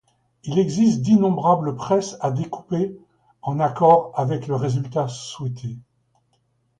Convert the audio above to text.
Il existe d’innombrable presse à découper en accord avec le résultat souhaité.